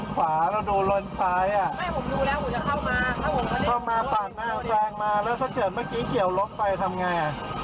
เข้ามาปากหน้าแซงมาแล้วถ้าเกิดเมื่อกี้เกี่ยวล้มไปทำไงอ่ะ